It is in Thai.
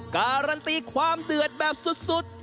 การันตีความเดือดแบบสุด